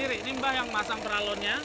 ini mbah yang pasang paralonnya